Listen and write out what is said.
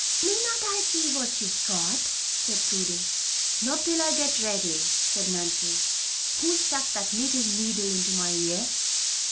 "Mayn't I see what you've got?" said little Prudy. "Not till I get ready," said Nancy. "Who stuck that knitting needle into my ear?"